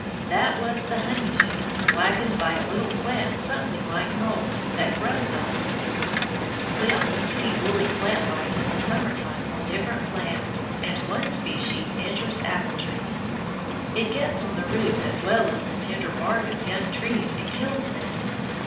That was the honey dew, blackened by a little plant something like mould, that grows on it. We often see woolly plant lice in the summer time on different plants, and one species injures apple trees. It gets on the roots as well as on the tender bark of young trees and kills them.